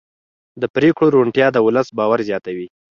د پرېکړو روڼتیا د ولس باور زیاتوي